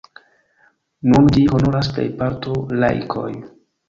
Nun ĝin honoras plejparto laikoj.